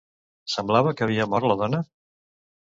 Semblava que havia mort la dona?